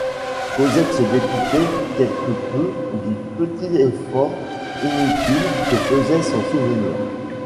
Cosette se dépitait quelque peu du petit effort inutile que faisait son souvenir.